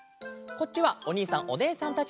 こっちはおにいさんおねえさんたちのえ。